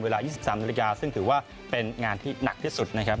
เวลา๒๓นาฬิกาซึ่งถือว่าเป็นงานที่หนักที่สุดนะครับ